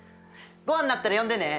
ごはんになったら呼んでね！